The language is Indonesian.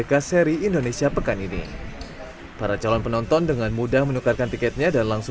kaseri indonesia pekan ini para calon penonton dengan mudah menukarkan tiketnya dan langsung